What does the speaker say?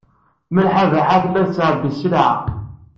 Malḥa Baḥa tella tettɛebbi sselɛa.